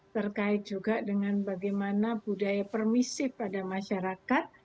terkait juga dengan bagaimana budaya permisif pada masyarakat